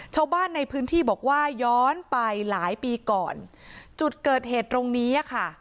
ชาวบ้านในพื้นที่บอกว่าย้อนไปหลายปีก่อนจุดเกิดเหตุตรงนี้อ่ะค่ะ